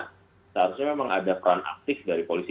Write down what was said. seharusnya memang ada peran aktif dari polisi